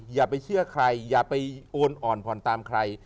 อย่าไปเชื่อใครอย่าไปโอนอ่อนผ่อนตามใคร